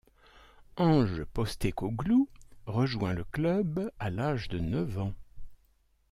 Ange Postecoglou rejoint le club à l'âge de neuf ans.